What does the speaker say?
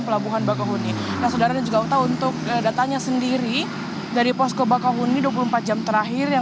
pelabuhan bakauhoni saudara juga untuk datanya sendiri dari posko bakauhoni dua puluh empat jam terakhir yang